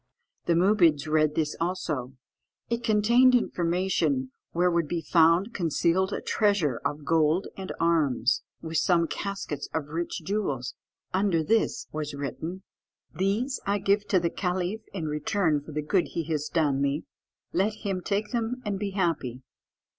The Moobids read this also. It contained information where would be found concealed a treasure of gold and arms, with some caskets of rich jewels; under this was written "These I give to the caliph in return for the good he has done me; let him take them and be happy."